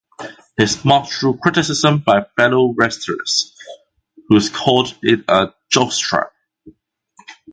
His mask drew criticism by fellow wrestlers, who called it a "jockstrap".